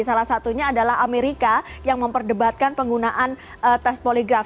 salah satunya adalah amerika yang memperdebatkan penggunaan tes poligraf